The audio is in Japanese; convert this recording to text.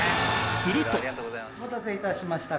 お待たせいたしました。